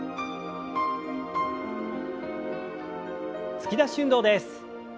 突き出し運動です。